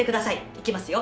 いきますよ。